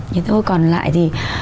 nhưng thôi còn lại thì